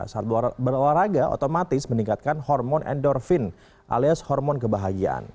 saat berolahraga otomatis meningkatkan hormon endorfin alias hormon kebahagiaan